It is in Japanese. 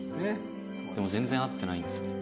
でも全然会ってないんですよね。